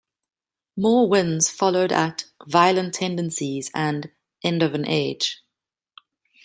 More wins followed at "Violent Tendencies" and "End of an Age".